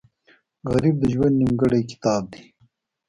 غریب د ژوند نیمګړی کتاب دی